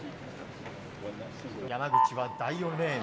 山口は第４レーン。